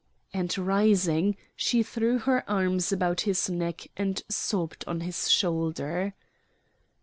and rising, she threw her arms about his neck and sobbed on his shoulder.